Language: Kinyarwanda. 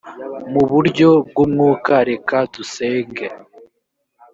mu buryo bw umwuka reka dusenge